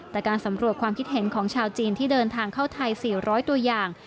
แต่การสำรวจความคิดเห็นของชาวจีนที่เดินทางเข้าไทย๔๐๐ตัวอย่าง